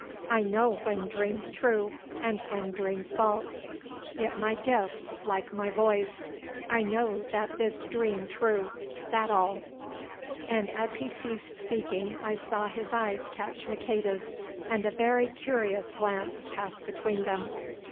"I know when dreams true and when dreams false; it my gift, like my voice. I know that this dream true, that all," and as he ceased speaking I saw his eyes catch Maqueda's, and a very curious glance pass between them.